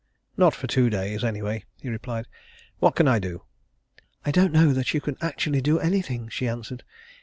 "Not for two days, anyway," he replied. "What can I do?" "I don't know that you can actually do anything," she answered.